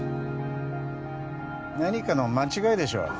何かの間違いでしょう